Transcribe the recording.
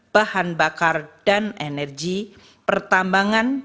bahan bakar dan energi pertambangan